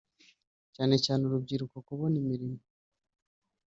cyane cyane urubyiruko kubona imirimo”